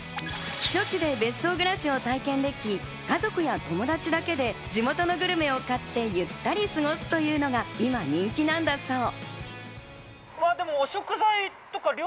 避暑地で別荘暮らしを体験でき、家族や友達だけで地元のグルメを買ってゆったり過ごすというのが今人気なんだそう。